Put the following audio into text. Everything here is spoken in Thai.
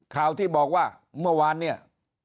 ข่าวที่บอกว่าเมื่อวานเนี่ย